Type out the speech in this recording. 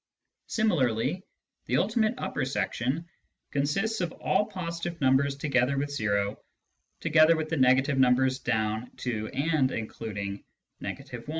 Similarly the " ultimate upper section " consists of all positive numbers together with o, together with the negative numbers down to and including — I .